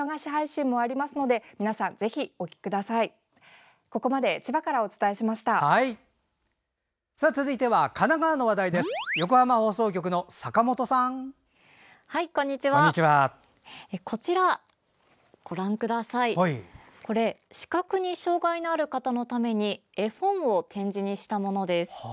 視覚に障害のある方のために絵本を点字にしたものです。